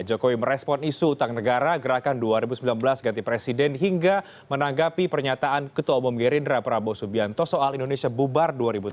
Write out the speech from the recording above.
jokowi merespon isu utang negara gerakan dua ribu sembilan belas ganti presiden hingga menanggapi pernyataan ketua umum gerindra prabowo subianto soal indonesia bubar dua ribu tujuh belas